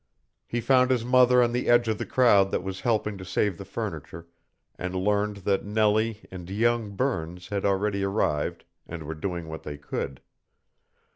He found his mother on the edge of the crowd that was helping to save the furniture, and learned that Nellie and young Burns had already arrived and were doing what they could.